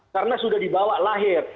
karena sudah dibawa lahir